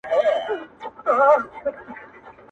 او له سترګو یې د اوښکو رود وو تاللی -